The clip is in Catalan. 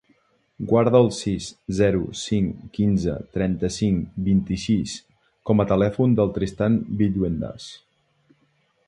Guarda el sis, zero, cinc, quinze, trenta-cinc, vint-i-sis com a telèfon del Tristan Villuendas.